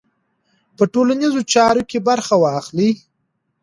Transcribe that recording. په ټولنیزو چارو کې برخه واخلئ.